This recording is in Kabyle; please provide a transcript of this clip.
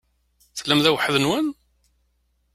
Tellam da weḥd-nwen?